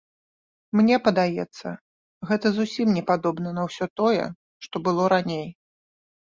Мне падаецца, гэта зусім не падобна на ўсё тое, што было раней.